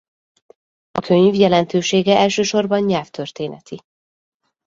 A könyv jelentősége elsősorban nyelvtörténeti.